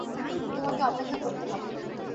তোমাকে অপেক্ষা করতে হবে।